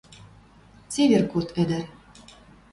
Цевер код, ӹдӹр...